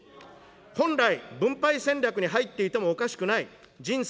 本来、分配戦略に入っていてもおかしくない人生